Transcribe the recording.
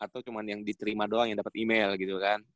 atau cuma yang diterima doang yang dapet email gitu kan